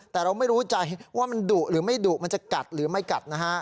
แต่เราไม่รู้ใจว่ามันดุหรือไม่ดุมันจะกัดหรือไม่กัดนะฮะ